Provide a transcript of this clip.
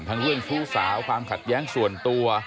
เรื่องชู้สาวความขัดแย้งส่วนตัว